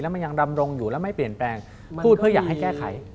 มันยังดำรงอยู่แล้วไม่เปลี่ยนแปลงพูดเพื่ออยากให้แก้ไข